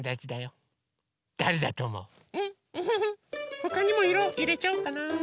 ほかにもいろいれちゃおっかな。